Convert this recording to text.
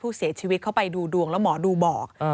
ผู้เสียชีวิตเข้าไปดูดวงแล้วหมอดูบอก